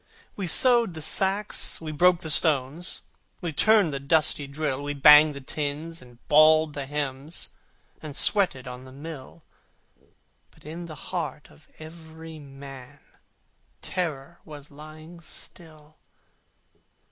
We sewed the sacks, we broke the stones, We turned the dusty drill: We banged the tins, and bawled the hymns, And sweated on the mill: But in the heart of every man Terror was lying still.